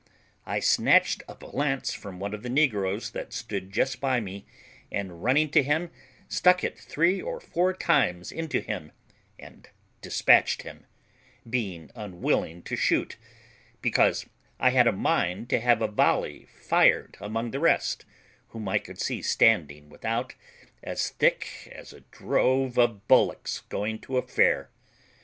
I snatched up a lance from one of the negroes that stood just by me, and running to him, struck it three or four times into him, and despatched him, being unwilling to shoot, because I had a mind to have a volley fired among the rest, whom I could see standing without, as thick as a drove of bullocks going to a fair.